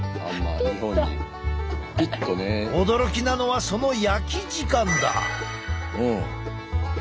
驚きなのはその焼き時間だ。